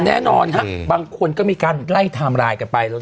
แน่นอนฮะบางคนก็มีการไล่ไทม์ไลน์กันไป